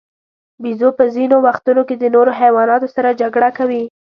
بیزو په ځینو وختونو کې د نورو حیواناتو سره جګړه کوي.